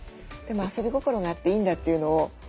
でも遊び心があっていいんだっていうのを。